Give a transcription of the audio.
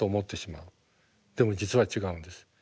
でも実は違うんです。